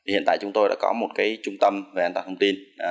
hiện tại chúng tôi đã có một trung tâm về an toàn hệ thống tin